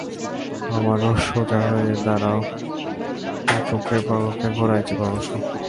আমরও সোজা হয়ে দাঁড়ায় এবং চোখের পলকে ঘোড়ায় চেপে বসে।